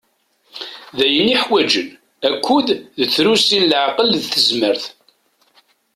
D ayen iḥwaǧen akud d trusi n leɛqel d tezmert.